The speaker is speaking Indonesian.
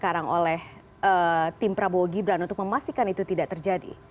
sekarang oleh tim prabowo gibran untuk memastikan itu tidak terjadi